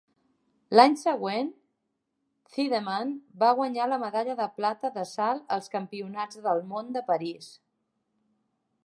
L'any següent Thiedemann va guanyar la medalla de plata de salt als Campionats del Món de París.